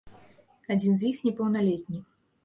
Адзін з іх непаўналетні.